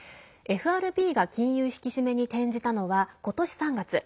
ＦＲＢが金融引き締めに転じたのは今年３月。